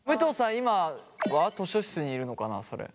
今は図書室にいるのかなそれ。